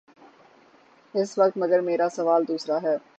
اس وقت مگر میرا سوال دوسرا ہے۔